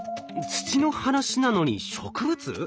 土の話なのに植物？